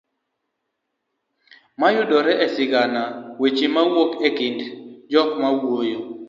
mayudore e sigana; weche mawuok e kind jok mawuoyo